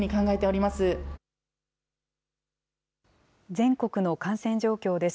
全国の感染状況です。